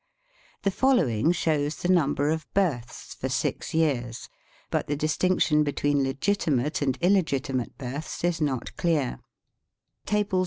The following shows the number of births for six years; but the distinction between legitimate and illegitimate births is not clear :— Year.